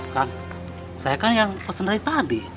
kan saya kan yang pesen dari tadi